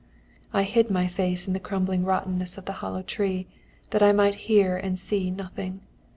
I hid my face in the crumbling rottenness of the hollow tree, that I might hear and see nothing.